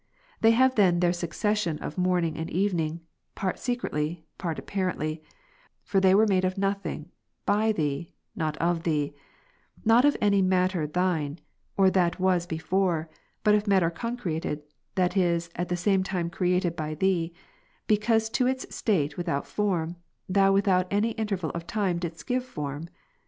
They have then their succession of morning and evening, part secretly, part apparently ; for they were made of nothing, by Thee, not of Thee ; not of any matter not Thine, or that was before, but of matter concreated, (that is, at the same time created by Thee,) because to its state ivithout/orm, ThovL without any interval of time didst give form.